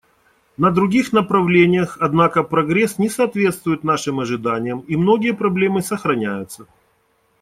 На других направлениях, однако, прогресс не соответствует нашим ожиданиям, и многие проблемы сохраняются.